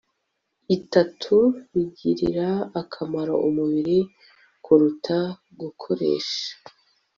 itatu bigirira akamaro umubiri kuruta gukoresha